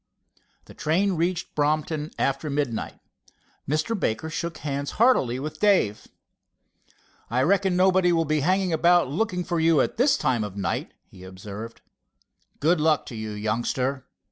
The train reached Brompton after midnight. Mr. Baker shook hands heartily with Dave. "I reckon nobody will be hanging around looking for you at this time of night," he observed. "Good luck to you, youngster.